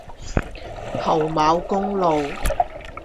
侯牡公路